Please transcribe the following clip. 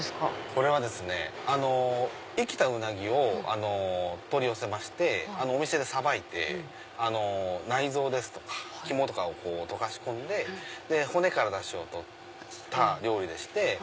これはですね生きたウナギを取り寄せましてお店でさばいて内臓ですとか肝とかを溶かし込んで骨からダシを取った料理でして。